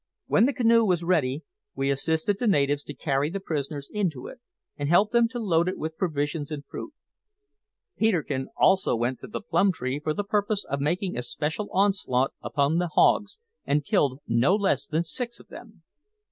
When the canoe was ready, we assisted the natives to carry the prisoners into it, and helped them to load it with provisions and fruit. Peterkin also went to the plum tree for the purpose of making a special onslaught upon the hogs, and killed no less than six of them.